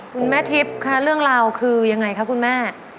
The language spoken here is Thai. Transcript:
คุณแม่ทิพย์คะเรื่องราวคือยังไงคะคุณแม่